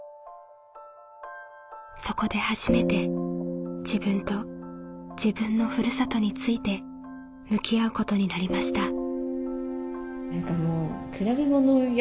そこで初めて自分と自分のふるさとについて向き合うことになりました。